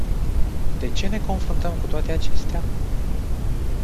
De ce ne confruntăm cu toate acestea?